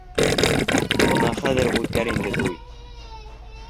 Бына хәҙер үткәр инде туй.